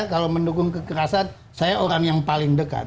kalau mendukung kekerasan saya orang yang paling dekat